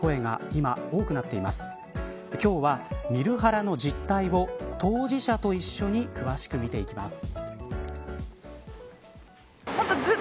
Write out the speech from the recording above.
今日は見るハラの実態を当事者と一緒に詳しく見ていきます。